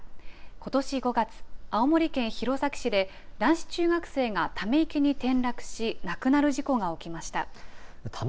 ことし５月青森県弘前市で男子中学生がため池に転落し亡くなる事故が起きました。